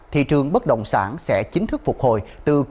thị trường bất động sản sẽ chiến đấu với nền tảng việt nam